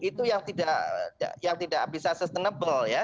itu yang tidak bisa sustainable ya